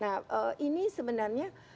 nah ini sebenarnya